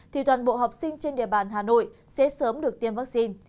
thì toàn bộ học sinh trên địa bàn hà nội sẽ sớm được tiêm vaccine